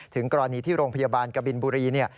ถึงกรณีที่โรงพยาบาลกบินบุรีเนี่ย